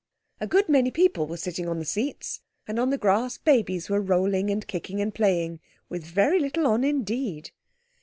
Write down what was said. A good many people were sitting on the seats, and on the grass babies were rolling and kicking and playing—with very little on indeed.